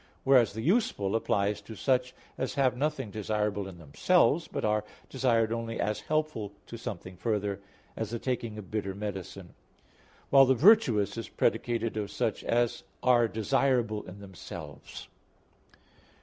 Whereas the useful applies to such as have nothing desirable in themselves, but are desired only as helpful to something further, as the taking of bitter medicine; while the virtuous is predicated of such as are desirable in themselves.